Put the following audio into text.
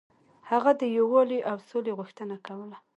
هغه د یووالي او سولې غوښتنه کوله.